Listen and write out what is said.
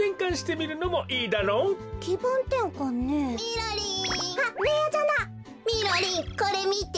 みろりんこれみて。